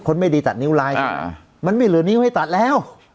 ไม่ดีตัดนิ้วลายมันไม่เหลือนิ้วให้ตัดแล้ว